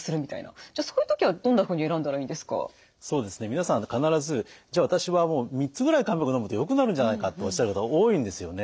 皆さん必ず「じゃあ私はもう３つぐらい漢方薬のむとよくなるんじゃないか」とおっしゃる方多いんですよね。